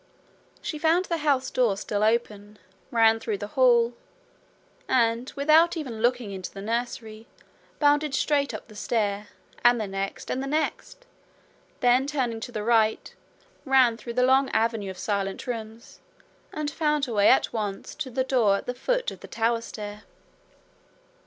She found the house door still open, ran through the hall, and, without even looking into the nursery, bounded straight up the stair, and the next, and the next; then turning to the right, ran through the long avenue of silent rooms, and found her way at once to the door at the foot of the tower stair.